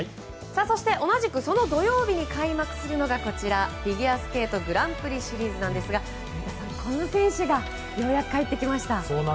そして、同じくその土曜日に開幕するのがフィギュアスケートグランプリシリーズですがこの選手がようやく帰ってきました。